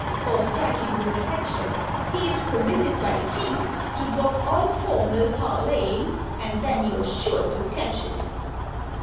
Or strike him with a hatchet, He is permitted by the King To drop all formal parleying And then you're sure to catch it!